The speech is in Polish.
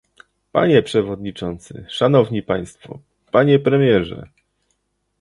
Panie przewodniczący, szanowni państwo, panie premierze